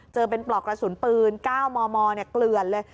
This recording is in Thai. เจอเป็นปลอกกระสุนปืนเก้ามอเนี่ยเกลือนเลย